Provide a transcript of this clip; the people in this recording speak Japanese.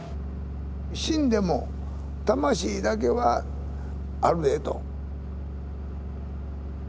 死んでも魂だけはあるでと。